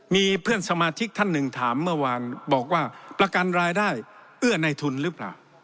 มีเพื่อนสมาชิกท่านหนึ่งถามเมื่อวานบอกว่าประกันรายได้เอื้อในทุนหรือเปล่า